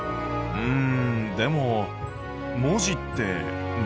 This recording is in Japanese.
うん。